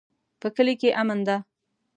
په کلي کې امن ده